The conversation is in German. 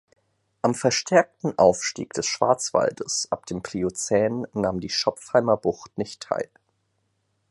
Am verstärkten Aufstieg des Schwarzwaldes ab dem Pliozän nahm die Schopfheimer Bucht nicht teil.